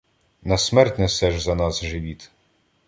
На смерть несеш за нас живіт.